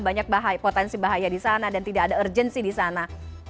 banyak potensi bahaya di sana dan tidak ada urgensi di sana